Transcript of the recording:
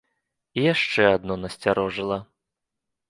І яшчэ адно насцярожыла.